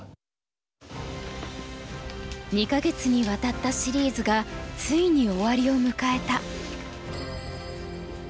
２か月にわたったシリーズがついに終わりを迎えた。